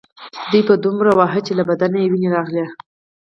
دوی به دومره واهه چې له بدن به یې وینې راغلې